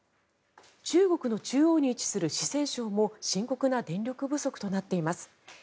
中国の中央に位置する四川省も深刻な電力不足となっています。